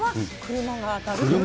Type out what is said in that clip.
車が当たるの？